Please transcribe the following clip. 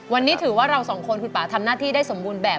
วันนี้ถือว่าเราสองคนคุณป่าทำหน้าที่ได้สมบูรณ์แบบ